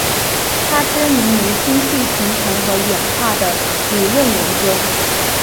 她知名于星系形成和演化的理论研究。